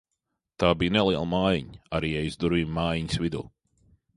Tā bija neliela mājiņa, ar ieejas durvīm mājiņas vidū.